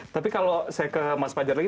tapi kalau saya ke mas fajar lagi